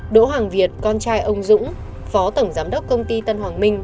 đỗ hoàng việt con trai ông dũng phó tổng giám đốc công ty tân hoàng minh